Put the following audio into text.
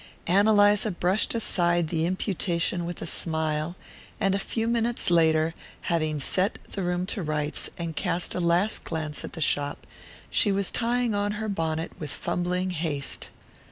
Ann Eliza brushed aside the imputation with a smile, and a few minutes later, having set the room to rights, and cast a last glance at the shop, she was tying on her bonnet with fumbling haste.